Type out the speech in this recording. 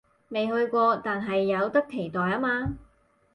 未去過，但係有得期待吖嘛